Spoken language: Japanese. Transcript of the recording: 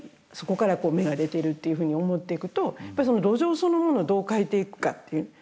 そこから芽が出てるっていうふうに思っていくとやっぱりその土壌そのものをどう変えていくかっていう。